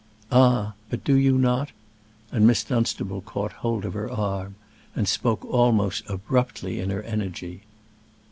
"Ah! but do you not?" and Miss Dunstable caught hold of her arm, and spoke almost abruptly in her energy.